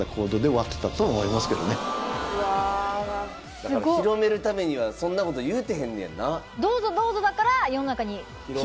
だから広めるためにはそんなこと言うてへんねんな。